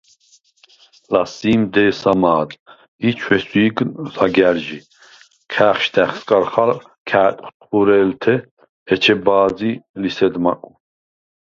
ლასი̄მ დე̄სა მა̄დ ი ჩვესუ̄̈გნ ზაგა̈რჟი. ქა̄̈ხშდა̈ხ სკარხალ, ქა̄̈ტვხ თხუ̈რე̄ლთე. ეჩე ბა̄ზი ლისედ მაკუ.